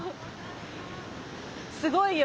すごいよ。